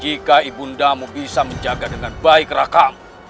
jika ibu ndamu bisa menjaga dengan baik rakam